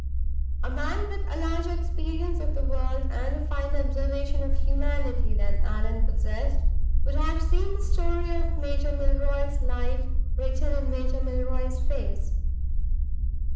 A man with a larger experience of the world and a finer observation of humanity than Allan possessed would have seen the story of Major Milroy's life written in Major Milroy's face.